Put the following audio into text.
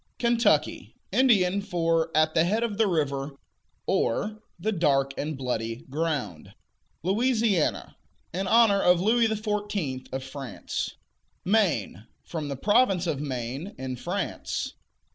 Kentucky Indian for "at the head of the river," or "the dark and bloody ground." Louisiana In honor of Louis XIV. of France. Maine From the province of Maine, in France.